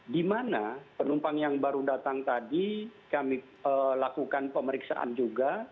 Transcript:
di mana penumpang yang baru datang tadi kami lakukan pemeriksaan juga